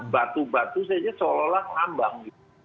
batu batu saja seolah olah lambang